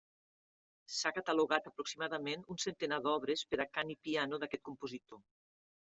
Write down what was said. S'ha catalogat aproximadament un centenar d'obres per a cant i piano d'aquest compositor.